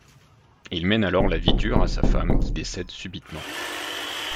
Il mène alors la vie dure à sa femme qui décède subitement.